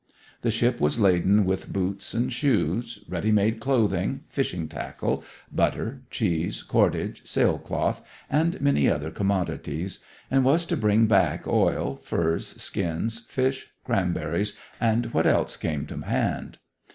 The ship was laden with boots and shoes, ready made clothing, fishing tackle, butter, cheese, cordage, sailcloth, and many other commodities; and was to bring back oil, furs, skins, fish, cranberries, and what else came to hand.